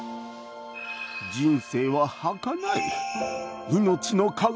人生ははかない。